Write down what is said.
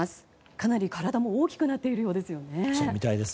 かなり体も大きくなっているようですね。